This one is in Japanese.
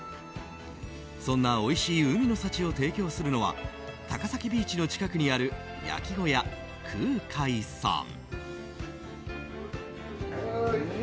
そんなおいしい海の幸を提供するのは高崎ビーチの近くにある焼き小屋くうかいさん。